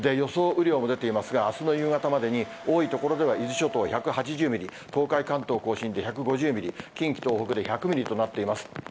雨量も出ていますが、あすの夕方までに多い所では伊豆諸島１８０ミリ、東海、関東甲信で１５０ミリ、近畿、東北で１００ミリとなっています。